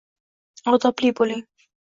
Odobli bo'ling!